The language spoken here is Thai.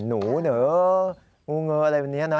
หนูเหรองูเงออะไรแบบนี้นะ